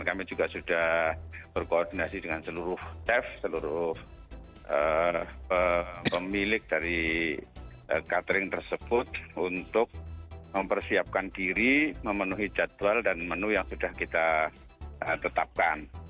kami juga sudah berkoordinasi dengan seluruh chef seluruh pemilik dari catering tersebut untuk mempersiapkan diri memenuhi jadwal dan menu yang sudah kita tetapkan